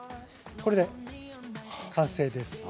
これで完成です。